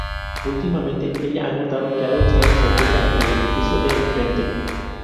Últimamente, ella ha notado que algo extraño se oculta en el edificio de enfrente.